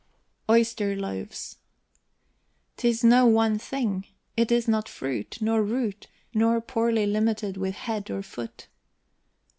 OYSTER LOAVES. 'Tis no one thing; it is not fruit, nor root, Nor poorly limited with head or foot.